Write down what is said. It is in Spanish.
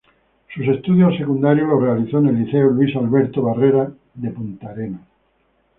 Sus estudios secundarios los realizó en el Liceo Luis Alberto Barrera de Punta Arenas.